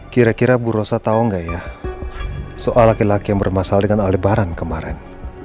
kira kira bu rosa tahu nggak ya soal laki laki yang bermasalah dengan lebaran kemarin